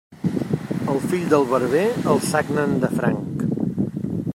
El fill del barber el sagnen de franc.